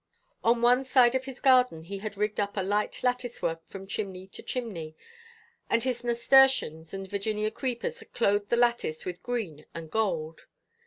On one side of his garden he had rigged up a light lattice work from chimney to chimney, and his nasturtiums and Virginia creepers had clothed the lattice with green and gold.